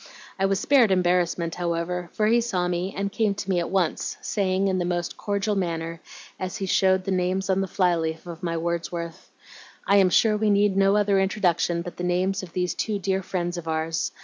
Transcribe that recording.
I was spared embarrassment, however, for he saw me and came to me at once, saying, in the most cordial manner, as he showed the names on the fly leaf of my Wordsworth, 'I am sure we need no other introduction but the names of these two dear friends of ours.